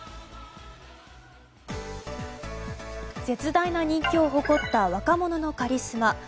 絶大な人気を誇った若者のカリスマ。